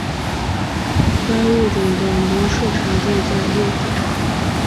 该物种的模式产地在瑞典。